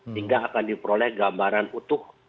sehingga akan diperoleh gambaran utuh